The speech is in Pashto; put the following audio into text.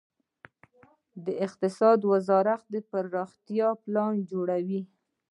د اقتصاد وزارت پرمختیايي پلانونه جوړوي